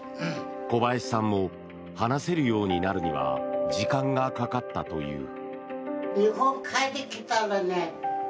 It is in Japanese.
小林さんも話せるようになるには時間がかかったという。